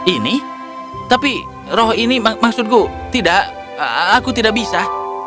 ini tapi roh ini maksudku tidak aku tidak bisa